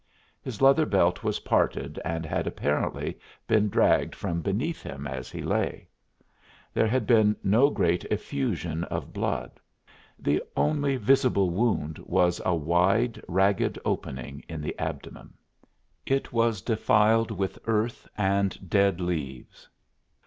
His leather belt was parted and had apparently been dragged from beneath him as he lay. There had been no great effusion of blood. The only visible wound was a wide, ragged opening in the abdomen. It was defiled with earth and dead leaves.